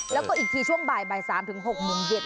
แล้วก็อีกทีช่วงบ่าย๓ถึง๖โมงเย็น